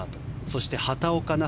そして、畑岡奈